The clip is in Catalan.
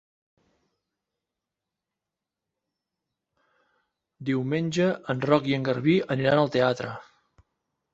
Diumenge en Roc i en Garbí aniran al teatre.